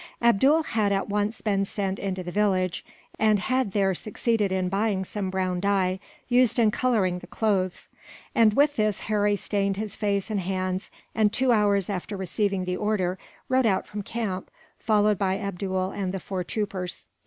Abdool had at once been sent into the village, and had there succeeded in buying some brown dye, used in colouring the clothes; and with this Harry stained his face and hands and, two hours after receiving the order, rode out from camp, followed by Abdool and the four troopers.